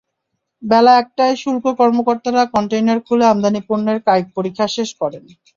বেলা একটায় শুল্ক কর্মকর্তারা কনটেইনার খুলে আমদানি পণ্যের কায়িক পরীক্ষা শেষ করেন।